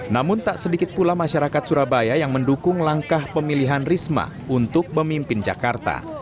namun tak sedikit pula masyarakat surabaya yang mendukung langkah pemilihan risma untuk memimpin jakarta